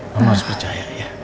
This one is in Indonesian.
mama harus percaya ya